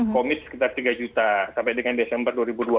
komit sekitar tiga juta sampai dengan desember dua ribu dua puluh